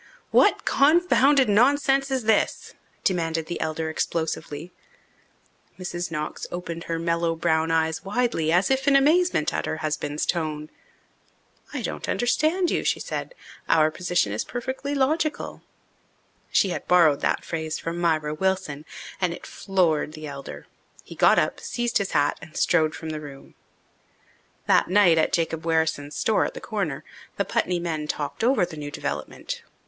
"What confounded nonsense is this?" demanded the elder explosively. Mrs. Knox opened her mellow brown eyes widely, as if in amazement at her husband's tone. "I don't understand you," she said. "Our position is perfectly logical." She had borrowed that phrase from Myra Wilson, and it floored the elder. He got up, seized his hat, and strode from the room. That night, at Jacob Wherrison's store at the Corner, the Putney men talked over the new development.